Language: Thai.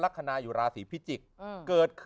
ลักษณะจุฬาศีพิจิกเกิด